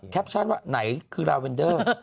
แปปชั่นว่าไหนคือลาเวนเดอร์